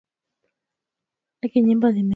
kabla ya kuingia mto Malagarasi maeneo ya Uvinza